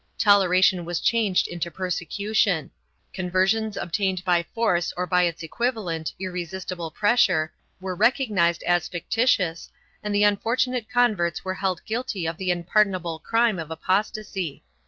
Toleration was changed into persecution; conversions obtained by force, or by its equivalent, irresistible pressure, were recognized as fictitious, and the unfortunate converts were held guilty of the unpar donable crime of apostasy.